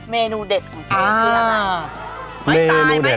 เมนูเด็ดของเชฟคืออะไร